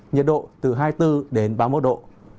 nhiệt độ từ hai mươi bốn đến ba mươi một độ